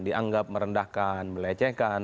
dianggap merendahkan melecehkan